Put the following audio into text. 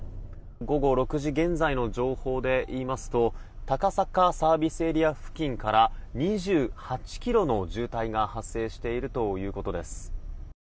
午後６時現在の情報で言いますと高坂ＳＡ付近から２８ｋｍの渋滞が発生しているということです。